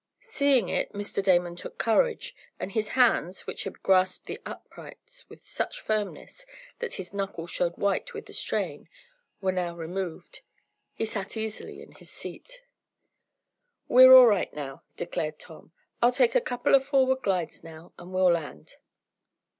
Seeing it Mr. Damon took courage, and his hands, which had grasped the uprights with such firmness that his knuckles showed white with the strain, were now removed. He sat easily in his seat. "We're all right now," declared Tom. "I'll take a couple of forward glides now, and we'll land."